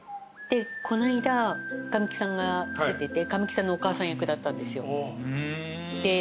でこの間神木さんが出てて神木さんのお母さん役だったんですよ。